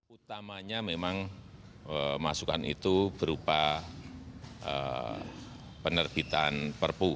utamanya memang masukan itu berupa penerbitan perpu